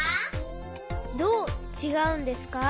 どうちがうんですか？